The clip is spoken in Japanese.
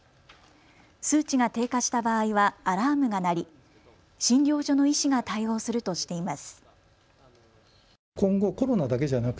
数値が低下した場合はアラームが鳴り診療所の医師が対応するとしています。